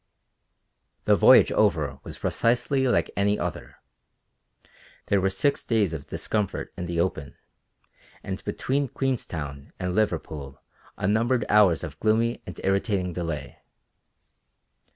The voyage over was precisely like any other. There were six days of discomfort in the open, and between Queenstown and Liverpool unnumbered hours of gloomy and irritating delay.